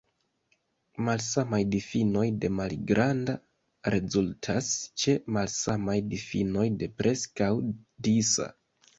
Malsamaj difinoj de "malgranda" rezultas ĉe malsamaj difinoj de "preskaŭ disa".